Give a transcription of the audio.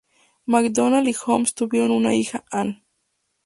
MacDonald y Holmes tuvieron una hija, Ann.